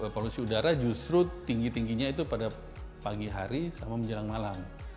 polusi udara justru tinggi tingginya itu pada pagi hari sama menjelang malam